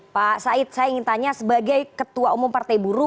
pak said saya ingin tanya sebagai ketua umum partai buruh